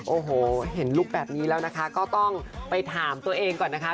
โอ้โหเห็นลุคแบบนี้แล้วนะคะก็ต้องไปถามตัวเองก่อนนะคะ